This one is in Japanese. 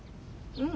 うん？